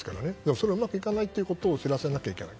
それはうまくいかないことを知らせないといけない。